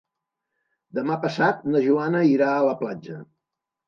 Demà passat na Joana irà a la platja.